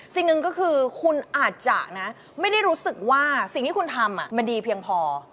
สิ่งหนึ่งก็คือคุณอาจจะนะไม่ได้รู้สึกว่าสิ่งที่คุณทำมันดีเพียงพอ